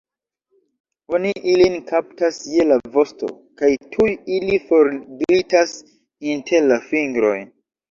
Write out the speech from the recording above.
Oni ilin kaptas je la vosto, kaj tuj ili forglitas inter la fingroj!